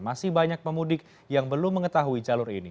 masih banyak pemudik yang belum mengetahui jalur ini